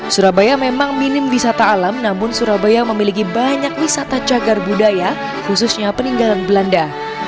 surabaya memang minim wisata alam namun surabaya memiliki banyak wisata cagar budaya khususnya peninggalan belanda